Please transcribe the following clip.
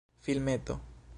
filmeto